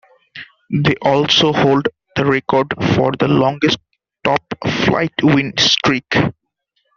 They also hold the record for the longest top flight win streak.